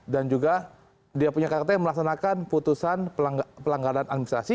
dan juga dia punya kata katanya melaksanakan putusan pelanggaran administrasi